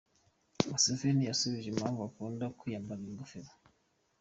Museveni yasubije impamvu akunda kwiyambarira ingofero.